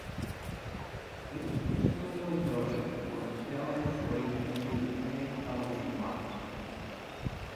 It was particularly noted for its failure to break into the pay television market.